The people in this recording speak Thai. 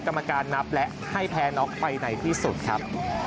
กรรมการนับและให้แพ้น็อกไปในที่สุดครับ